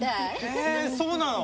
へえそうなの？